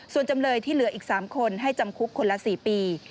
ส่วนจำเลยที่เหลืออีก๓คนให้จำคุกคนละ๔ปี